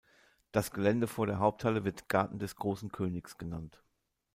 Das Gelände vor der Haupthalle wird „Garten des Großen Königs“ genannt.